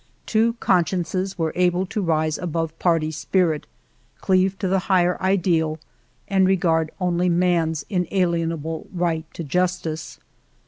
Two consciences were able to rise above party spirit, cleave to the higher ideal, and regard only man's inalienable right to justice.